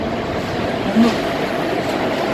Умыкӏу!